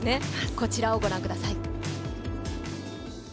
こちらをご覧ください。